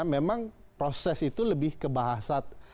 memang proses itu lebih kebahasan